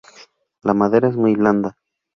La madera es muy blanda.